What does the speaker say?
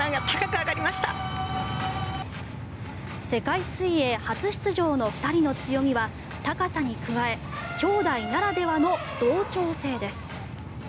世界水泳初出場の２人の強みは高さに加え姉弟ならではの同調性です。